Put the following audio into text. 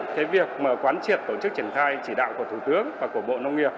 cái việc mà quán triệt tổ chức triển khai chỉ đạo của thủ tướng và của bộ nông nghiệp